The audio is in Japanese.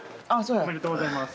おめでとうございます。